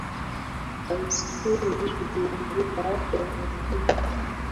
Baiskeli ilianguka baharini